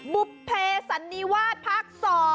บุภเพสันนิวาสภาค๒